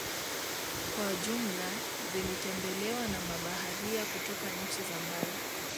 kwa jumla zilitembelewa na mabaharia kutoka nchi za mbali